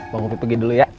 bang uku pergi dulu ya